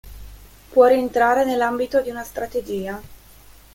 Può rientrare nell'ambito di una strategia.